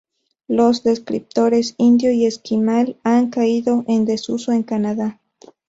Los descriptores "indio" y "esquimal" han caído en desuso en Canadá.